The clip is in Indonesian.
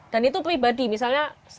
dan itu pribadi misalnya